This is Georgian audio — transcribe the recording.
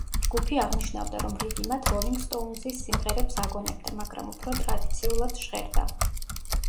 ჯგუფი აღნიშნავდა, რომ რიგი მათ როლინგ სტოუნზის სიმღერებს აგონებდა, მაგრამ „უფრო ტრადიციულად“ ჟღერდა.